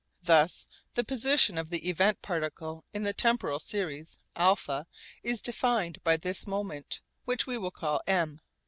Thus the position of the event particle in the temporal series α is defined by this moment, which we will call M.